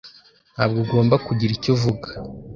Ntabwo ugomba kugira icyo uvuga.